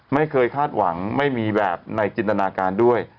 ไม่เคยคาดหวังไม่มีแบบในจินตนาการด้วย